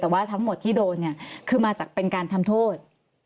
แต่ว่าทั้งหมดที่โดนเนี่ยคือมาจากเป็นการทำโทษ